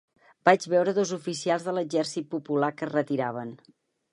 Vaig veure dos oficials de l'Exèrcit Popular que es retiraven